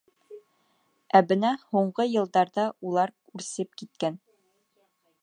Ә бына һуңғы йылдарҙа улар үрсеп киткән.